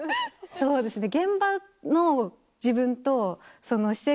そうですねはい。